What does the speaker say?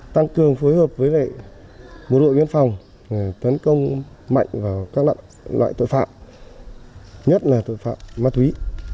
tăng cường phối hợp với lực lượng biên phòng tấn công mạnh vào các loại tội phạm nhất là tội phạm ma tuy